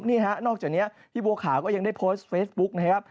นี่ฮะนอกจากนี้พี่บัวขาวก็ยังได้โพสต์เฟซบุ๊กนะครับ